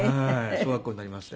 小学校になりまして。